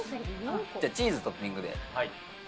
チーズトッピングで。